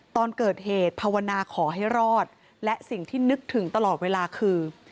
ตอนเกิดเหตุภาวนาขอให้รอดและสิ่งที่นึกถึงตลอดเวลาคือ